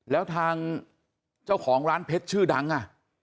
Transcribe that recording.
แล้วทางเจ้าของร้านเพชรชื่อดังอ่ะ